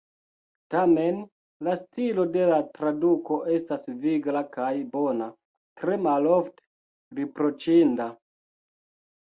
Tamen, la stilo de la traduko estas vigla kaj bona, tre malofte riproĉinda.